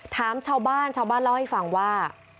ถามชาวบ้านชาวบ้านเล่าให้ฟังว่า